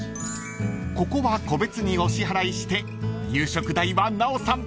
［ここは個別にお支払いして夕食代は奈緒さん